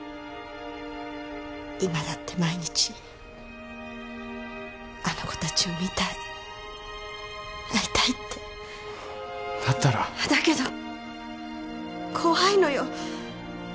今だって毎日あの子たちを見たい会いたいってだったらだけど怖いのよ